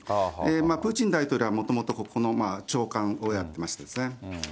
プーチン大統領はもともとこの長官をやってましてですね。